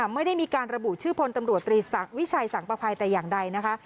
ไม่ได้มีการระบุชื่อพลตำรวจตรีวิชัยสังประภัยแต่อย่างใดนะคะ